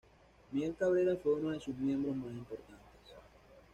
Miguel Cabrera fue uno de sus miembros más importantes.